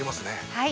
はい。